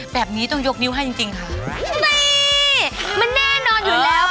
แบบนี้ต้องยกนิ้วให้จริงจริงค่ะนี่มันแน่นอนอยู่แล้ว